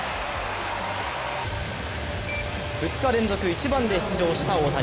２日連続１番で出場した大谷。